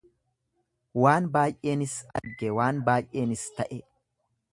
Waan baay'eenis arge, waan baay'eenis ta'e.